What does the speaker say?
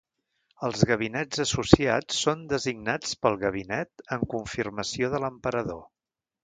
Els gabinets associats són designats pel Gabinet en confirmació de l'Emperador.